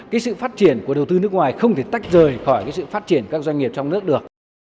cái sự phát triển của đầu tư nước ngoài không thể tách rời khỏi sự phát triển các doanh nghiệp trong nước được